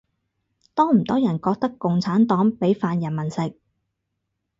多唔多人覺得共產黨畀飯人民食